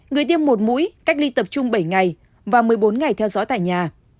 người tiêm một mũi cách ly tập trung bảy ngày và một mươi bốn ngày theo dõi tại nhà